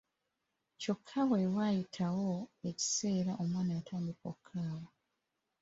Kyokka bwe waayitawo ekiseera omwana yatandika okukaaba.